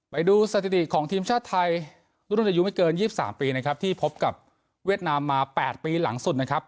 ไปดูสถิติของทีมชาติไทยรุ่นอายุไม่เกิน๒๓ปีนะครับที่พบกับเวียดนามมา๘ปีหลังสุดนะครับ